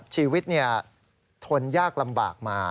ชีวิตทนยากลำบากมา